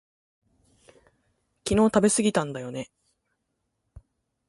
昨日食べすぎたんだよね